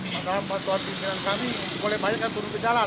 maka bantuan pimpinan kami boleh banyak yang turun ke jalan